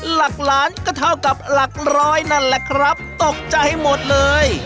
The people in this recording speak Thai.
หลักล้านก็เท่ากับหลักร้อยนั่นแหละครับตกใจหมดเลย